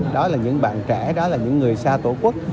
đó là những bạn trẻ đó là những người xa tổ quốc